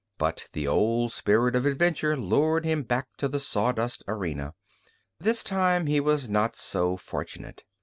But the old spirit of adventure lured him back to the sawdust arena. This time he was not so fortunate.